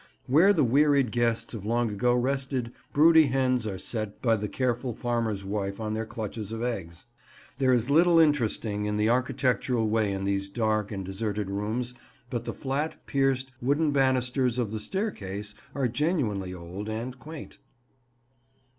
Where the wearied guests of long ago rested, broody hens are set by the careful farmer's wife on their clutches of eggs. There is little interesting in the architectural way in these dark and deserted rooms, but the flat, pierced, wooden banisters of the staircase are genuinely old and quaint.